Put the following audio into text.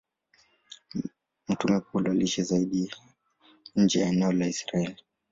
Mtume Paulo aliishi zaidi nje ya eneo la Israeli.